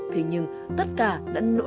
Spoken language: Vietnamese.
thế nhưng tất cả đã nguyên